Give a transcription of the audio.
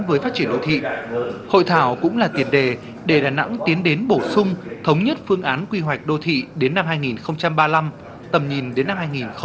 đây là một vấn đề để đà nẵng tiến đến bổ sung thống nhất phương án quy hoạch đô thị đến năm hai nghìn ba mươi năm tầm nhìn đến năm hai nghìn năm mươi